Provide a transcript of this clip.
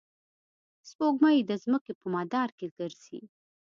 سپوږمۍ د ځمکې په مدار کې ګرځي.